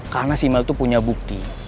karena si mel tuh punya bukti